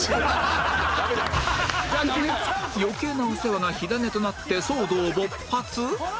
余計なお世話が火種となって騒動勃発！？